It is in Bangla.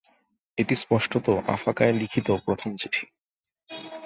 এটিই স্পষ্টত আফাকায় লিখিত প্রথম চিঠি।